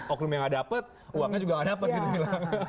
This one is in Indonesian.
oknum yang gak dapat uangnya juga gak dapat gitu